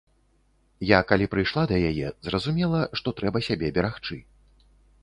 Я калі прыйшла да яе, зразумела, што трэба сябе берагчы.